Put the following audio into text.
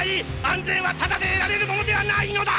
安全はタダで得られるものではないのだ！！